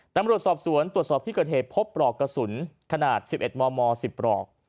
ตำรวจสอบสวนตรวจสอบที่เกิดเหตุพบปลอกกระสุนขนาด๑๑มม๑๐ปลอก